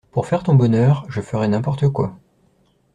Pour faire ton bonheur, je ferais n’importe quoi.